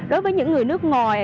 đối với những người nước ngoài